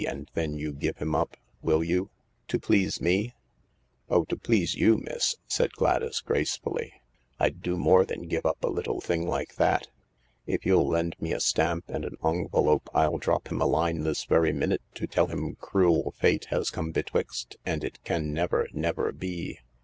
and then you give him up. Will you ? To please me ?"" Oh, to please you, miss," said Gladys gracefully. " I'd do more than give up a little thing like that. If you'll lend me a stamp and a ongvelope I'll drop him a line this very minute to tell him cruel fate has come betwixt and it can never, never be."